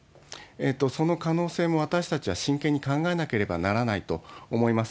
その可能性も、私たちは真剣に考えなければならないと思います。